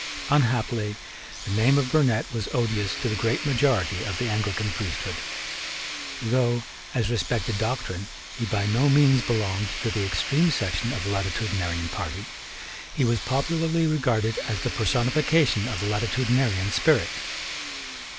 Unhappily the name of Burnet was odious to the great majority of the Anglican priesthood. Though, as respected doctrine, he by no means belonged to the extreme section of the Latitudinarian party, he was popularly regarded as the personification of the Latitudinarian spirit.